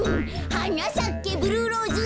「はなさけブルーローズ」